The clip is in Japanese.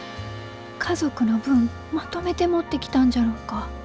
家族の分まとめて持ってきたんじゃろうか。